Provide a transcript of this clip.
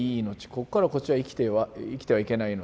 ここからこっちは生きてはいけない命。